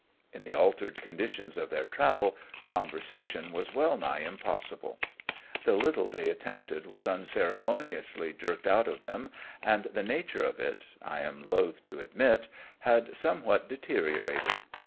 In the altered conditions of their travel, conversation was well nigh impossible. The little they attempted was unceremoniously jerked out of them, and the nature of it I am loath to admit had somewhat deteriorated.